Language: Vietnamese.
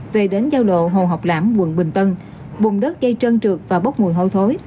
về đến giao lộ hồ học lãm quận bình tân bùng đất gây trơn trượt và bốc mùi hôi thối